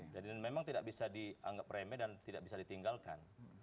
jadi memang tidak bisa dianggap remeh dan tidak bisa ditinggalkan